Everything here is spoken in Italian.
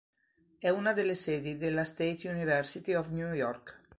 È una delle sedi della State University of New York.